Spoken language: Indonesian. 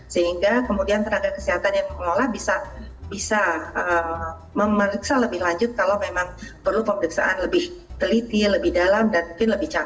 sehingga kemudian tenaga kesehatan yang mengelola bisa memeriksa lebih lanjut kalau memang perlu pemeriksaan lebih teliti lebih dalam dan mungkin lebih cantik